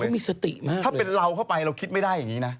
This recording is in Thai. เขามีสติมากถ้าเป็นเราเข้าไปเราคิดไม่ได้อย่างนี้นะ